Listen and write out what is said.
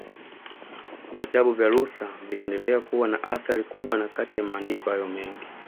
Vitabu vya Luther viliendelea kuwa na athari kubwa na Kati ya maandiko hayo mengi